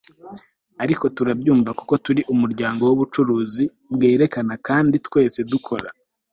ariko turabyumva kuko turi umuryango wubucuruzi bwerekana kandi twese dukora